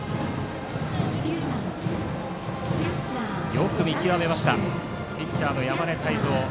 よく見極めましたピッチャーの山根汰三。